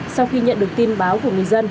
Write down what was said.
sau khi nhận được tin báo của người dân